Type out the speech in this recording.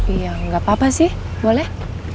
iya nggak apa apa sih boleh